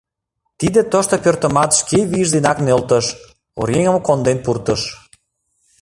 Тиде тошто пӧртымат шке вийже денак нӧлтыш, оръеҥым конден пуртыш.